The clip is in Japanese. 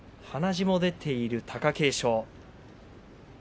鼻血も出ている貴景勝。